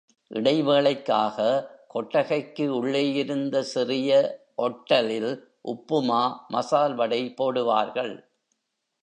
இடைவேளைக்காக கொட்டகைக்கு உள்ளேயிருந்த சிறிய ஒட்டலில் உப்புமா, மசால்வடை போடுவார்கள்.